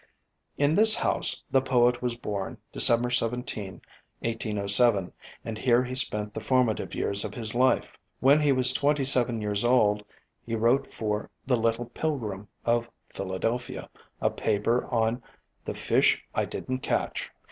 In this house the poet was born December 17, 1807, and here he spent the formative years of his life. When he was twenty seven years old he wrote for The Little Pilgrim of Philadelphia a paper on "The Fish I Didn't Catch."